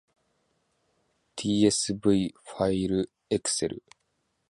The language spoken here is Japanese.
tsv ファイルエクセル